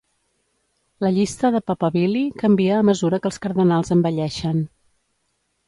La llista de "papabili" canvia a mesura que els cardenals envelleixen.